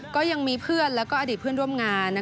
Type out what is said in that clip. ก็ยังมีเพื่อนแล้วก็อดีตเพื่อนร่วมงาน